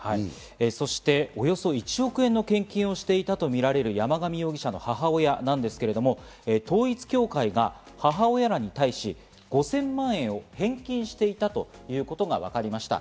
そしておよそ１億円の献金をしていたとみられる山上容疑者の母親なんですが、統一教会が母親らに対し５０００万円を返金していたということがわかりました。